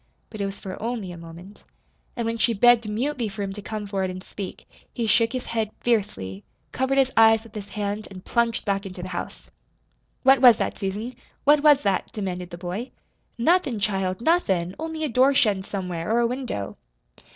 But it was for only a moment. And when she begged mutely for him to come forward and speak, he shook his head fiercely, covered his eyes with his hand, and plunged back into the house. "What was that, Susan? What was that?" demanded the boy. "Nothin', child, nothin', only a door shuttin' somewhere, or a window."